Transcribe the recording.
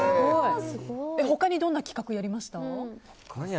他にどんな企画やりました？